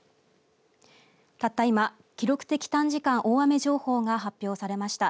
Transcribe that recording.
たった今記録的短時間大雨情報が発表されました。